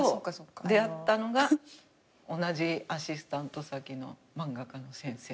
出会ったのが同じアシスタント先の漫画家の先生。